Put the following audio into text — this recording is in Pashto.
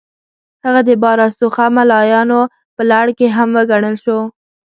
هغه د با رسوخه ملایانو په لړ کې هم وګڼل شو.